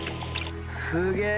すげえ！